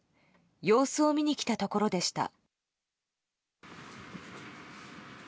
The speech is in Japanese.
様子を見に来たところでした。